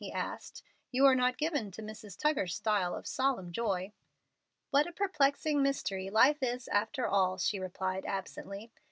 he asked. "You are not given to Mrs. Tuggar's style of 'solemn joy'?" "What a perplexing mystery life is after all!" she replied, absently.